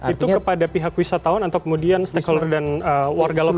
itu kepada pihak wisatawan atau kemudian stakeholder dan warga lokal